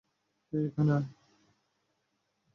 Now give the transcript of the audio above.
হেই এখানে আয়।